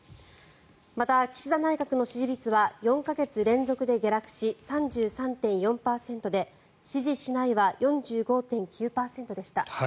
また、岸田内閣の支持率は４か月連続で下落し３３．４％で支持しないは４５．９％でした。